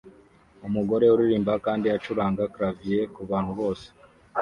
Umugore uririmba kandi acuranga clavier kubantu bose